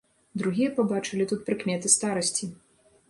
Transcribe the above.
Другія пабачылі тут прыкметы старасці.